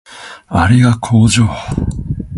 あれが工場